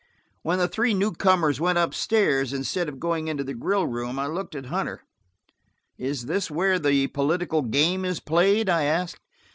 When the three new comers went up stairs, instead of going into the grill room, I looked at Hunter. "Is this where the political game is played?" I asked.